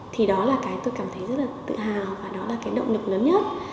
thì đó là cái tôi cảm thấy rất là tự hào và đó là cái động lực lớn nhất